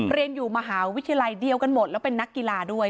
เรียนอยู่มหาวิทยาลัยเดียวกันหมดแล้วเป็นนักกีฬาด้วย